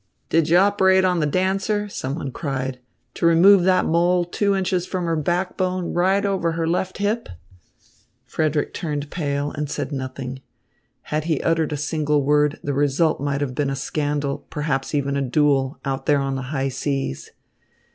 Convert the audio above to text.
"Did you operate on the dancer," someone cried, "to remove that mole two inches from her backbone right over her left hip?" Frederick turned pale, and said nothing. Had he uttered a single word, the result might have been a scandal, perhaps even a duel, out there on the high seas.